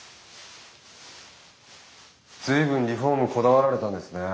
随分リフォームこだわられたんですね。